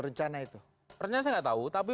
rencana itu rencana saya nggak tahu tapi